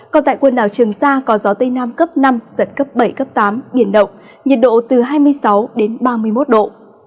còn tại quần đảo trường sa có gió tây nam cấp năm giật cấp bảy cấp tám biển động nhiệt độ từ hai mươi sáu đến ba mươi một độ